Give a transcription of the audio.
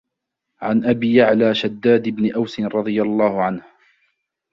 عن أبي يَعْلَى شَدَّادِ بنِ أَوْسٍ رَضِي اللهُ عَنْهُ